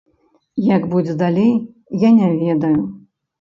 Як будзе далей, я не ведаю.